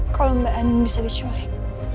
kalau mbak andin bisa diculik